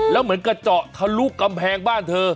แล้วเหมือนกระเจาะทะลุกำแพงบ้านเธอ